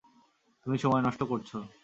তুমি সময় নষ্ট করছো।